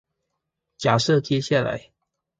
假設接下來